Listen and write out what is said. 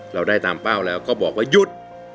เราได้ตามเป้าแล้วก็บอกว่าหยุด